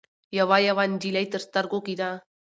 يوه يوه نجلۍ تر سترګو کېده.